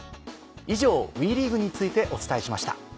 以上ＷＥリーグについてお伝えしました。